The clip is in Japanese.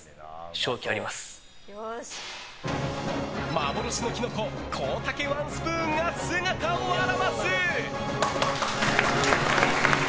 幻のキノココウタケワンスプーンが姿を現す。